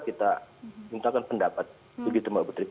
kita mintakan pendapat begitu mbak putri